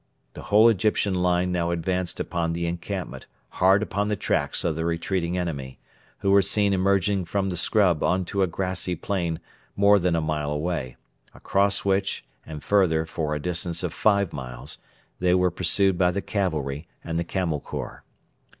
The whole Egyptian line now advanced upon the encampment hard upon the tracks of the retreating enemy, who were seen emerging from the scrub on to a grassy plain more than a mile away, across which and further for a distance of five miles they were pursued by the cavalry and the Camel Corps.